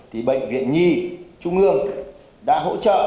thì bệnh viện nhi trung ương đã hỗ trợ một triệu đồng